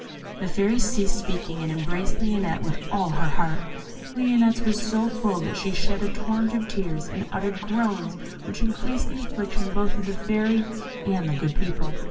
The Fairy ceased speaking, and embraced Lionette with all her heart. Lionette's was so full that she shed a torrent of tears, and uttered groans which increased the affliction both of the Fairy and the good people.